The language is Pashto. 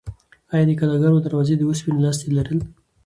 ایا د کلاګانو دروازې د اوسپنې لاستي لرل؟